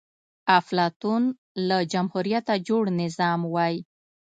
افلاطون له جمهوريته جوړ نظام وای